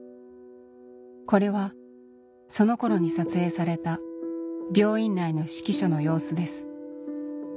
これはその頃に撮影された病院内の指揮所の様子です